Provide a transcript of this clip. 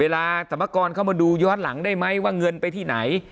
สมกรเข้ามาดูย้อนหลังได้ไหมว่าเงินไปที่ไหน